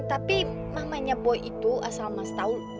tapi mamanya boy itu asal mas taulu